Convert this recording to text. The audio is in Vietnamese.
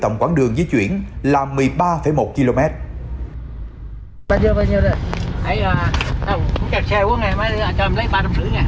trong quá trình di chuyển phóng viên thể hiện là người vừa đến thành phố hồ chí minh lần đầu